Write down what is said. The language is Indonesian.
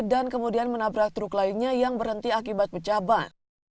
dan kemudian menabrak truk lainnya yang berhenti akibat pecah ban